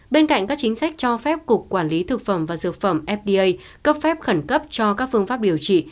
bên cạnh các chính sách cho phép cục quản lý thực phẩm và dược phẩm fda cấp phép khẩn cấp cho các phương pháp điều trị